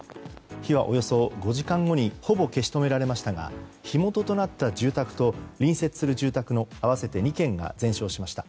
火はおよそ５時間後にほぼ消し止められましたが火元となった住宅と隣接する住宅の合わせて２軒が全焼しました。